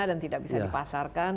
dan tidak bisa dipasarkan